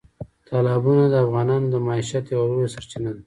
تالابونه د افغانانو د معیشت یوه لویه سرچینه ده.